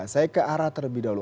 saya ke arah terlebih dahulu